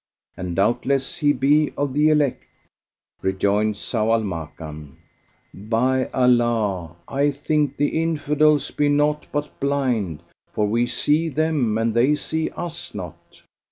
and doubtless he be of the elect." Rejoined Zau al Makan, "By Allah, I think the Infidels be naught but blind, for we see them; and they see us not."